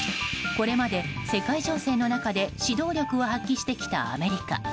これまで世界情勢の中で指導力を発揮してきたアメリカ。